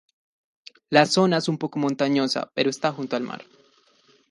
La zona es un poco montañosa por estar junto al mar.